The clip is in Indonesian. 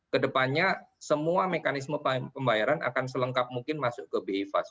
kedepannya semua mekanisme pembayaran akan selengkap mungkin masuk ke bi fast